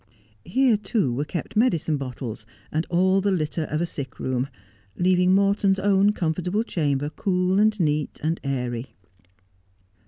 Here too were kept medicine bottles and all the litter of a sick room, leaving Morton's own comfortable chamber cool and neat and airy.